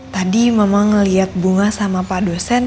tadi mama ngelihat bunga sama pak dosen